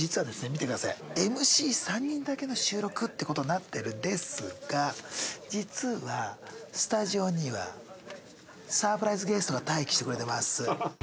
見てください。って事になってるんですが実はスタジオにはサプライズゲストが待機してくれてます。